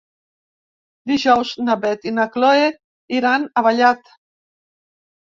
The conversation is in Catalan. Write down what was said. Dijous na Beth i na Chloé iran a Vallat.